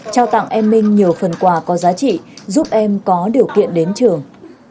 trao tặng em minh nhiều phần quà có giá trị giúp em có điều kiện đến trường